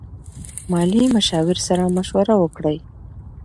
مالي مشاور سره مشوره وکړئ.